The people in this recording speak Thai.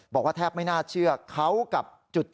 บอกว่าแทบไม่น่าเชื่อเขากับจุด